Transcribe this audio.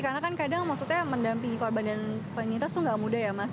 karena kan kadang maksudnya mendampingi korban dan penyintas itu enggak mudah ya mas